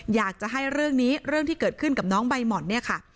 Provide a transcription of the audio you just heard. อยากจะให้เรื่องนี้เรื่องที่เกิดขึ้นกับน้องใบหม่อนเนี่ยค่ะ